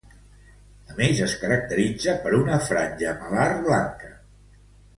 A més, es caracteritza per una franja malar blanca.